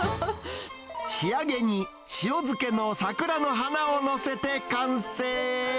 仕上げに塩漬けの桜の花を載せて完成。